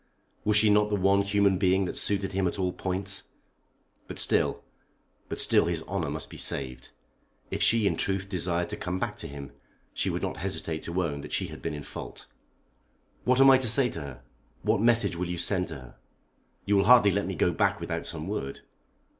Was she not the one human being that suited him at all points? But still, but still his honour must be saved. If she in truth desired to come back to him, she would not hesitate to own that she had been in fault. "What am I to say to her? What message will you send to her? You will hardly let me go back without some word."